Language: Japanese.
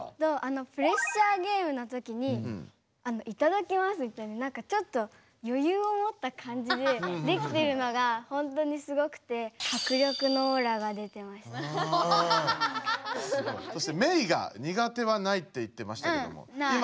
プレッシャーゲームのときに「いただきます」ってちょっとよゆうをもった感じでできてるのがほんとにすごくてそしてメイがニガテはないって言ってましたけどもない！